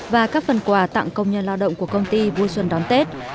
và các phần quà tặng công nhân lao động của công ty vui xuân đón tết